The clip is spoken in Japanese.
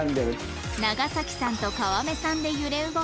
長さんと川目さんで揺れ動く